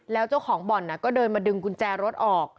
แล้วเจ้าของบ่อนก็เดินมาดึงกุญแจรถออก